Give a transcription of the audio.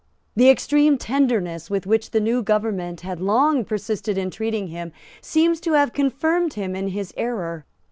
The extreme tenderness with which the new government had long persisted in treating him seems to have confirmed him in his error.